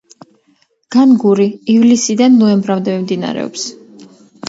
განგური ივლისიდან ნოემბრამდე მიმდინარეობს.